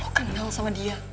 eh lo kenal sama dia